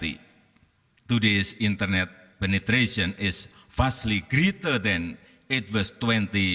penerbangan internet hari ini lebih besar dari dua puluh lima tahun lalu